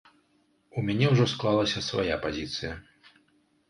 У мяне ўжо склалася свая пазіцыя.